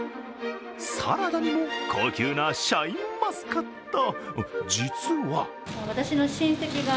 サラダにも高級なシャインマスカット。